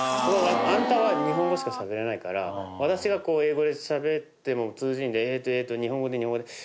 あんたは日本語しかしゃべれないから私が英語でしゃべっても通じんで「えっとえっと日本語で日本語で」